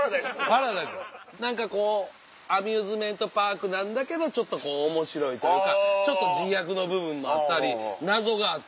パラダイス何かこうアミューズメントパークなんだけどちょっとおもしろいというかちょっと自虐の部分もあったり謎があったり。